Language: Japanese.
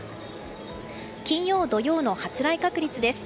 金曜、土曜の発雷確率です。